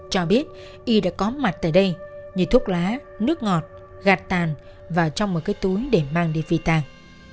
cho biết y đã có mặt tại đây như thuốc lá nước ngọt gạt tàn và trong một cái túi để mang đi phi tàng